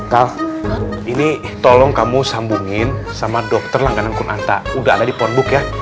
kal tolong kamu sambungin sama dokter langganan kun anta udah ada di pondbook ya